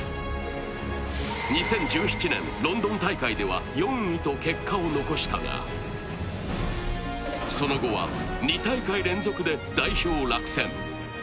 ２０１７年、ロンドン大会では４位と結果を残したがその後は２大会連続で代表落選。